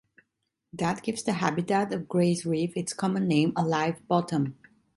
That gives the habitat of Gray's Reef its common name - a "live bottom".